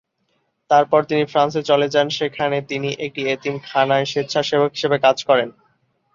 তারপর তিনি ফ্রান্সে চলে যান, যেখানে তিনি একটি এতিমখানায় স্বেচ্ছাসেবক হিসেবে কাজ করেন।